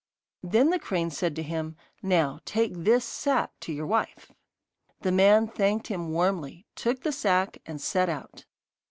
Then the crane said to him, 'Now take this sack to your wife.' The man thanked him warmly, took the sack, and set out.